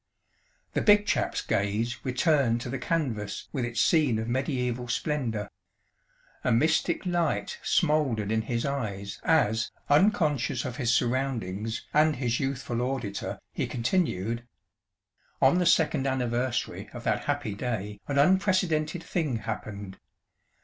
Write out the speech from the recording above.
The Big Chap's gaze returned to the canvas with its scene of mediaeval splendour. A mystic light smouldered in his eyes as, unconscious of his surroundings and his youthful auditor, he continued: "On the second anniversary of that happy day an unprecedented thing happened.